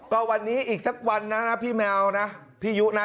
ก็วันนี้อีกสักวันนะนะพี่แมวนะพี่ยุนะ